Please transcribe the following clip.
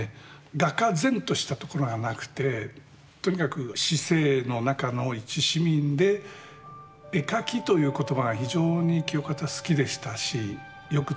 画家然としたところがなくてとにかく市井の中の一市民で「絵描き」という言葉が非常に清方は好きでしたしよく使いましたね。